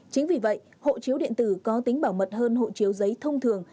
chính vì vậy hộ chiếu điện tử có tính bảo mật hơn hộ chiếu giấy thông thường